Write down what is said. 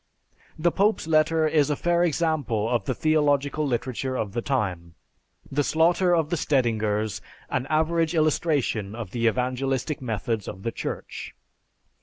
The pope's letter is a fair example of the theological literature of the time; the slaughter of the Stedingers an average illustration of the evangelistic methods of the Church.